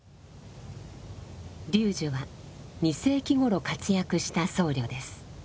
龍樹は２世紀頃活躍した僧侶です。